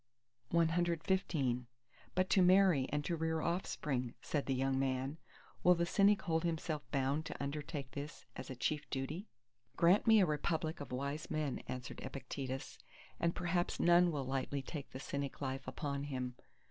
CXVI "But to marry and to rear offspring," said the young man, "will the Cynic hold himself bound to undertake this as a chief duty?" Grant me a republic of wise men, answered Epictetus, and perhaps none will lightly take the Cynic life upon him.